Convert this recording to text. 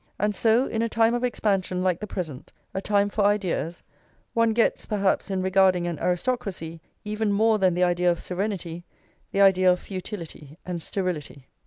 And so, in a time of expansion like the present, a time for ideas, one gets, perhaps, in regarding an aristocracy, even more than the idea of serenity, the idea of futility and sterility.